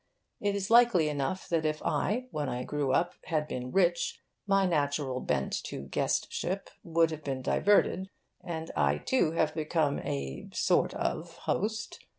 It is likely enough that if I, when I grew up, had been rich, my natural bent to guestship would have been diverted, and I too have become a (sort of) host.